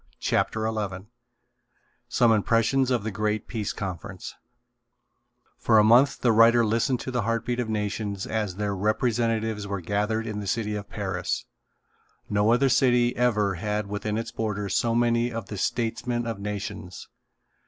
CHAPTER XI SOME IMPRESSIONS OF THE GREAT PEACE CONFERENCE For a month the writer listened to the heartbeat of nations as their representatives were gathered in the city of Paris. No other city ever had within its borders so many of the statesmen of nations.